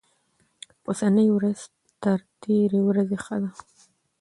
اوسنۍ ورځ تر تېرې ورځې ښه ده.